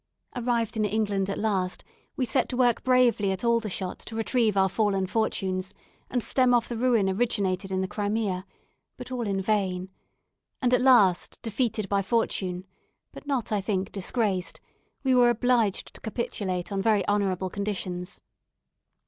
Arrived in England at last, we set to work bravely at Aldershott to retrieve our fallen fortunes, and stem off the ruin originated in the Crimea, but all in vain; and at last defeated by fortune, but not I think disgraced, we were obliged to capitulate on very honourable conditions.